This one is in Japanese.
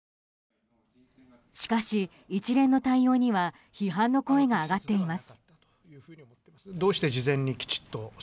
しかし、一連の対応には批判の声が上がっています。